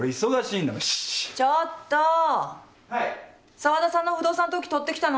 澤田さんの不動産登記取ってきたの？